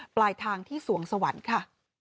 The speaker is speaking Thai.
ปลายทางที่สวงสวรรค์ค่ะ